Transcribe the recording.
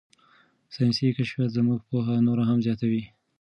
ساینسي کشفیات زموږ پوهه نوره هم زیاتوي.